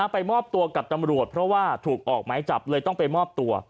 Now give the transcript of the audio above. ไปมอบตัวกับตำรวจเพราะว่าถูกออกไม้จับเลยต้องไปมอบตัว